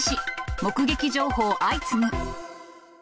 目撃情報相次ぐ。